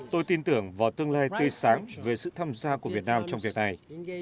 tôi tin tưởng vào tương lai tươi sáng về sự tham gia của việt nam trong việc này